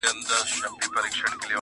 ښايستو نجونو به گرځول جامونه،